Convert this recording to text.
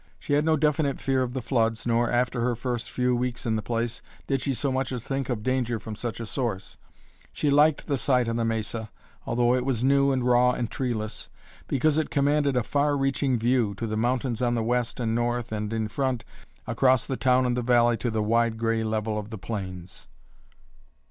She had no definite fear of the floods nor, after her first few weeks in the place, did she so much as think of danger from such a source. She liked the site on the mesa, although it was new and raw and treeless, because it commanded a far reaching view, to the mountains on the west and north and, in front, across the town and the valley to the wide gray level of the plains.